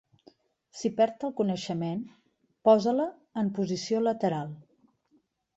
Si perd el coneixement, posa-la en posició lateral.